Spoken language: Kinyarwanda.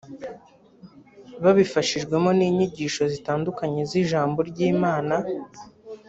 babifashijwemo n’inyigisho zitandukanye z’ijambo ry’Imana»